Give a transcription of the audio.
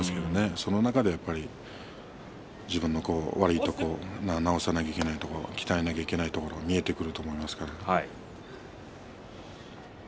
その中で自分の悪いところ直さなきゃいけないところ鍛えなきゃいけないところが見えてくると思います。